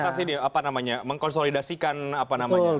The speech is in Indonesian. terus batas ini apa namanya mengkonsolidasikan apa namanya